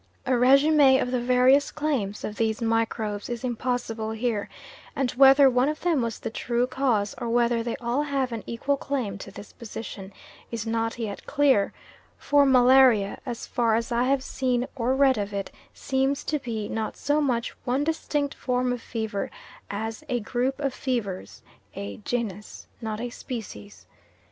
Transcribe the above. A resume of the various claims of these microbes is impossible here, and whether one of them was the true cause, or whether they all have an equal claim to this position, is not yet clear; for malaria, as far as I have seen or read of it seems to be not so much one distinct form of fever as a group of fevers a genus, not a species.